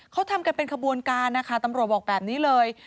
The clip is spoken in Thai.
เขาทำกันเป็นขบวนการนะคะตำรวจบอกแบบนี้เลย